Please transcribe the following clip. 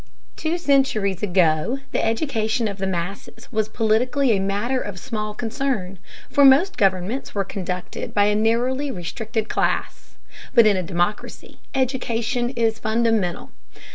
Two centuries ago the education of the masses was politically a matter of small concern, for most governments were conducted by a narrowly restricted class. But in a democracy education is fundamental.